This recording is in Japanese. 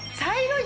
はい。